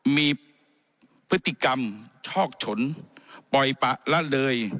มีพฤติกรรมชอกฉนปล่อยปะละเลย